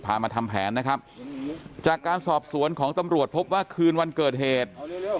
มาทำแผนนะครับจากการสอบสวนของตำรวจพบว่าคืนวันเกิดเหตุ